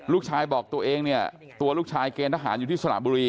ลูกชายบอกตัวเองเนี่ยตัวลูกชายเกณฑ์ทหารอยู่ที่สระบุรี